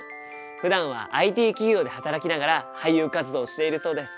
ふだんはＩＴ企業で働きながら俳優活動をしているそうです。